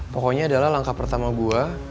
pokoknya adalah langkah pertama gue